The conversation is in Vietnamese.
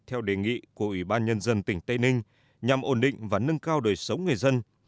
theo đề nghị của ủy ban nhân dân tỉnh tây ninh nhằm ổn định và nâng cao đời sống người dân